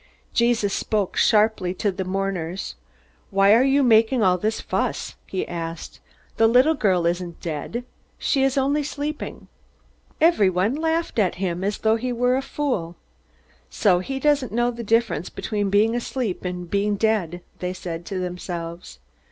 Jesus spoke sharply to the mourners. "Why are you making all this fuss?" he asked. "The little girl isn't dead. She is only sleeping." Everyone laughed at him, as though he were a fool. "So he doesn't know the difference between being asleep and being dead," they said to themselves.